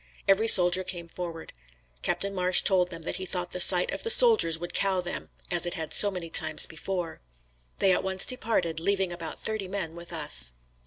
Every soldier came forward. Captain Marsh told them that he thought the sight of the soldiers would cow them as it had so many times before. They at once departed, leaving about thirty men with us.